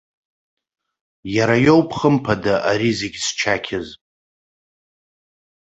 Иара иоуп хымԥада ари зегьы зчақьыз.